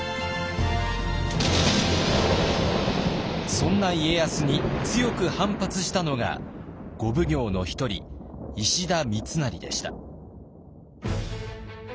そんな家康に強く反発したのが五奉行の一人石田三成でした。